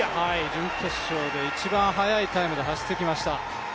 準決勝で一番速いタイムで走ってきました。